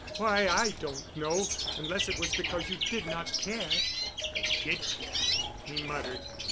Why, I don't know, unless it was because you did not care." "I did care," he muttered.